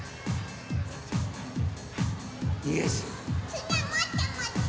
つなもってもって！